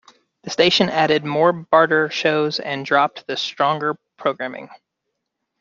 The station added more barter shows and dropped the stronger programming.